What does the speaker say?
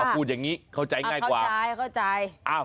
พูดอย่างนี้เข้าใจง่ายกว่า